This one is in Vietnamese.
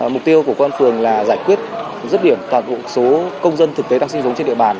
mục tiêu của công an phường là giải quyết rứt điểm toàn bộ số công dân thực tế đang sinh sống trên địa bàn